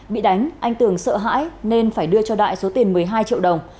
bị đánh anh tường sợ hãi nên phải đưa cho đại số tiền một mươi hai triệu đồng